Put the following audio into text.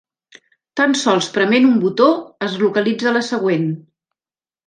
Tan sols prement un botó es localitza la següent.